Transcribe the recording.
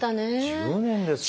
１０年ですよ。